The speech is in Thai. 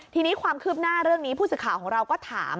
ทีนี้ความคืบหน้าเรื่องนี้ผู้สื่อข่าวของเราก็ถาม